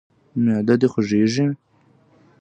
معده د خوږیږي؟